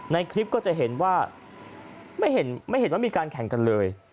ในคลิปก็จะเห็นว่าไม่เห็นว่ามีการแข่งกันเลย